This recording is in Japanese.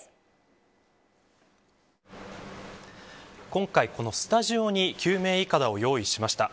今回このスタジオに救命いかだを用意しました。